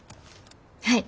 はい。